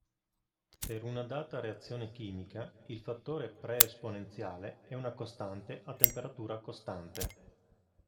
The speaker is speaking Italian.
Per una data reazione chimica, il fattore pre-esponenziale è una costante a temperatura costante.